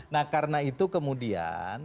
nah karena itu kemudian